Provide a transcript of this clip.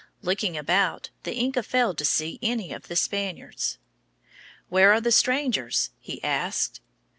Looking about, the Inca failed to see any of the Spaniards. "Where are the strangers?" he asked.